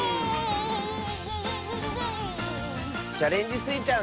「チャレンジスイちゃん」